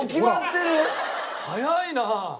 早いな。